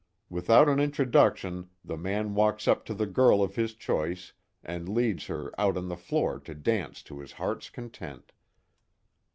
Without an introduction the man walks up to the girl of his choice and leads her out on the floor to dance to his heart's content.